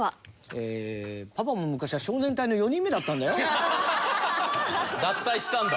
えーパパも昔は少年隊の４人目だったんだよ。脱退したんだ。